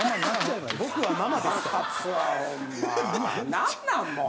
何なんもう！